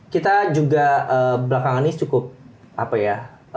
kita juga belakangan ini cukup apa ya